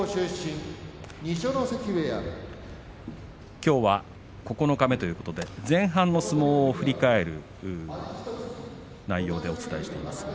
きょうは九日目ということで前半の相撲を振り返る内容でお伝えしています。